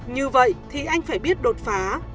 như vậy thì anh phải biết đột phá